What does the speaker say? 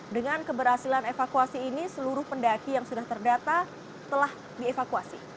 dengan keberhasilan evakuasi ini seluruh pendaki yang sudah terdata telah dievakuasi